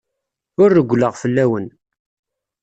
Ur rewwleɣ fell-awen.